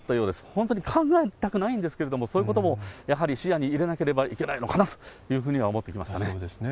本当に考えたくないんですけれども、そういうこともやはり視野に入れなければいけないのかなというふそうですね。